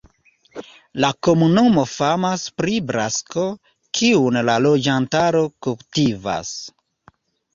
La komunumo famas pri brasiko, kiun la loĝantaro kultivas.